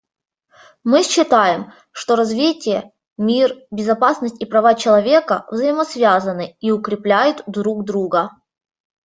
Мы считаем, что развитие, мир, безопасность и права человека взаимосвязаны и укрепляют друг друга.